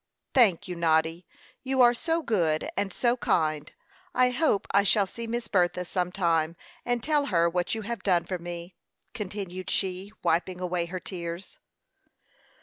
"Thank you, Noddy. You are so good and so kind! I hope I shall see Miss Bertha, some time, and tell her what you have done for me," continued she, wiping away her tears.